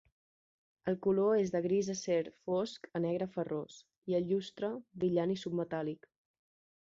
El color és de gris acer fosc a negre ferrós, i el llustre, brillant i submetàl·lic.